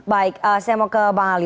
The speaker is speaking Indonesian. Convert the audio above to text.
baik saya mau ke bang ali